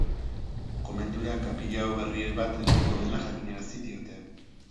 Komentura kapilau berri bat helduko dela jakinaraziko diote.